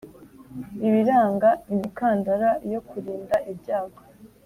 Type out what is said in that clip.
Ibiranga imikandara yo kurinda ibyago